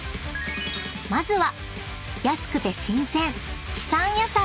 ［まずは］